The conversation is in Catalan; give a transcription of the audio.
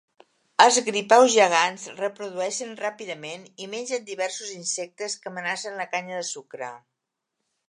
Els gripaus gegants reprodueixen ràpidament i mengen diversos insectes que amenacen la canya de sucre.